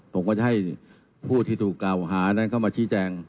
ผมก็จะให้ผู้ที่ถูกกล่าวหานั้นเข้ามาชี้แจง